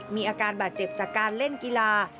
มีอาการบาดเจ็บจากการเล่นกีฬา